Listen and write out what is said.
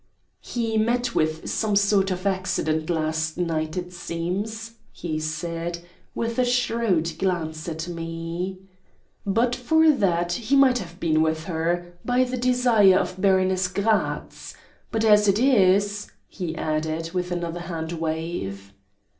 "He met with some sort of accident last night, it seems," he said, with a shrewd glance at me. "But for that he might have been with her, by the desire of Baroness Gratz. But as it is " he added, with another hand wave.